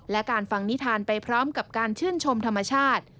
และการฟังนิทานไปพร้อมกับการชื่นชมธรรมชาติ